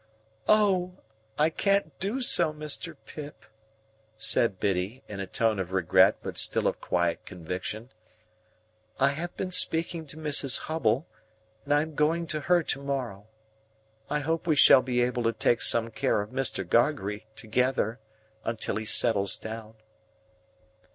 "Oh! I can't do so, Mr. Pip," said Biddy, in a tone of regret but still of quiet conviction. "I have been speaking to Mrs. Hubble, and I am going to her to morrow. I hope we shall be able to take some care of Mr. Gargery, together, until he settles down."